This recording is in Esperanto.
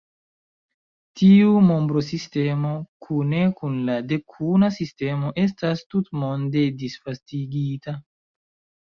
Tiu nombrosistemo, kune kun la Dekuma sistemo, estas tutmonde disvastigita.